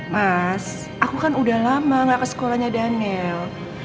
mas aku kan udah lama gak ke sekolahnya daniel